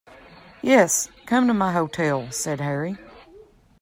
"Yes; come to my hotel," said Harry.